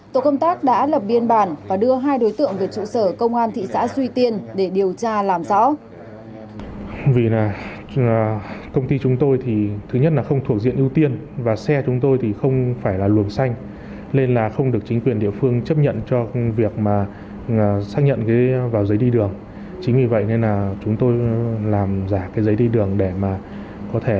tổ công tác đã lập biên bản và đưa hai đối tượng về trụ sở công an thị xã duy tiên để điều tra làm rõ